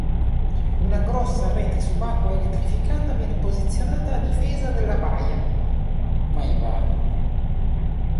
Una grossa rete subacquea elettrificata viene posizionata a difesa della baia, ma invano.